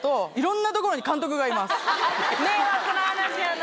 迷惑な話やな。